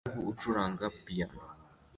Umuhungu ucuranga piano